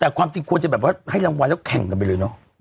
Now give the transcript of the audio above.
แต่ความจริงควรจะแบบว่าให้รางวัลแล้วแข่งกันไปเลยเนอะ